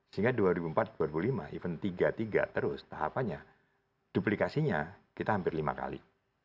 sehingga dua ribu empat dua ribu dua puluh lima event tiga tiga terus tahapannya duplikasinya kita hampir lima kali